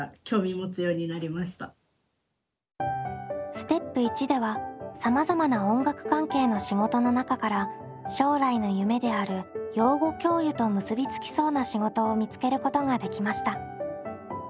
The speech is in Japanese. ステップ①ではさまざまな音楽関係の仕事の中から将来の夢である養護教諭と結びつきそうな仕事を見つけることができました。